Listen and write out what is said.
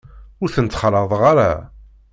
Ur ten-ttxalaḍeɣ ara.